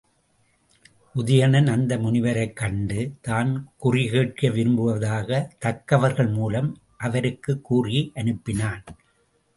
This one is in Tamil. உதயணன் அந்த முனிவரைக் கண்டு தான் குறிகேட்க விரும்புவதாகத் தக்கவர்கள் மூலம் அவருக்குக் கூறி அனுப்பினான்.